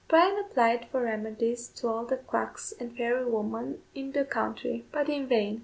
Bryan applied for remedies to all the quacks and "fairy women" in the country but in vain.